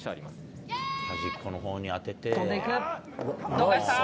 どかした！